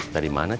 dari mana cek